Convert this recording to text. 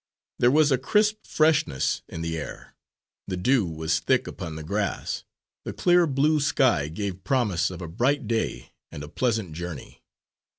There was a crisp freshness in the air, the dew was thick upon the grass, the clear blue sky gave promise of a bright day and a pleasant journey.